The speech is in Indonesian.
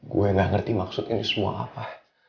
gue nggak ngerti maksud ini semua apa